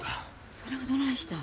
それがどないしたん。